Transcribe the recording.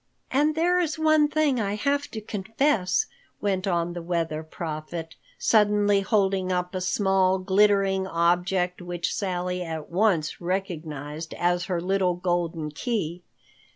"And there is one thing I have to confess," went on the Weather Prophet, suddenly holding up a small, glittering object which Sally at once recognized as her little golden key.